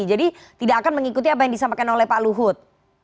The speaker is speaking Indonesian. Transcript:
jadi tidak akan mengikuti apa yang disampaikan oleh pak luhut